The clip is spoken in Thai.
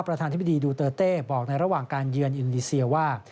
ธิบดีดูเตอร์เต้บอกในระหว่างการเยือนอินดีเซียว่า